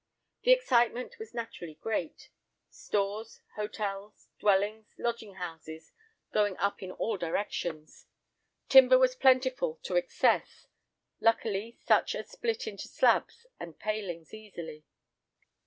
The excitement was naturally great; stores, hotels, dwellings, lodging houses going up in all directions. Timber was plentiful to excess, luckily such as split into slabs and palings easily.